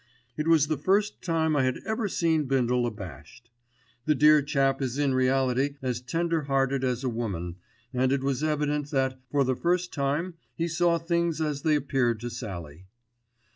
It was the first time I had ever seen Bindle abashed. The dear chap is in reality as tender hearted as a woman, and it was evident that, for the first time, he saw things as they appeared to Sallie.